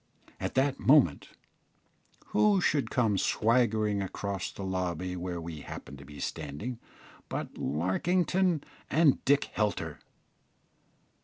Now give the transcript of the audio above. At that moment who should come swaggering across the lobby where we happened to be standing but Larkington and Dick Helter!